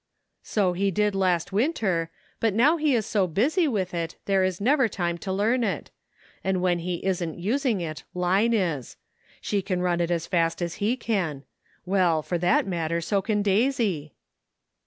" So he did last winter, but now he is so busy with it there is never time to learn it ; and when he isn't using it Line is. She can run it as fast as he can ; well, for that matter so can Daisy."